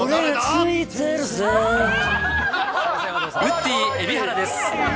ウッディ蛯原です。